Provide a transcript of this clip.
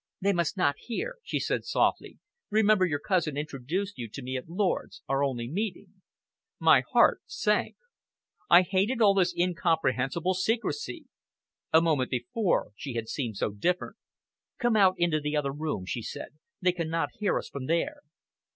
"They must not hear," she said softly. "Remember your cousin introduced you to me at Lord's our only meeting." My heart sank. I hated all this incomprehensible secrecy; a moment before she had seemed so different. "Come out into the other room," she said. "They cannot hear us from there."